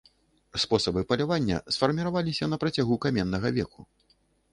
Спосабы палявання сфарміраваліся на працягу каменнага веку.